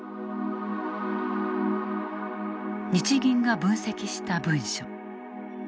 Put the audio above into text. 日銀が分析した文書。